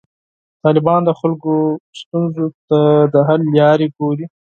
طالبان د خلکو ستونزو ته د حل لارې ګوري.